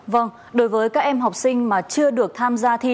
vâng đối với các em học sinh mà chưa được tham gia thi